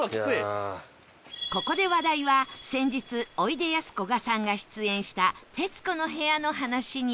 ここで話題は先日おいでやすこがさんが出演した『徹子の部屋』の話に